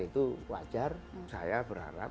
itu wajar saya berharap